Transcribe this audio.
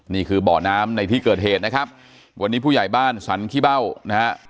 นี่คือเบาะน้ำในที่เกิดเหตุนะครับวันนี้ผู้ใหญ่บ้านสันขี้เบ้านะฮะ